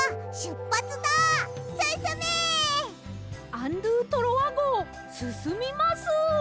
アン・ドゥ・トロワごうすすみます！